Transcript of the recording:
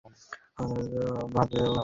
Aloe vera ভাতের মারে ধুয়ে খাওয়াতে হয়।